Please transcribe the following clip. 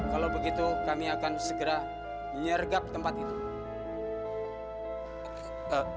kalau begitu kami akan segera menyergap tempat itu